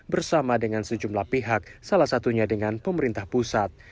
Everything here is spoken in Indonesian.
bersama dengan sejumlah pihak salah satunya dengan pemerintah pusat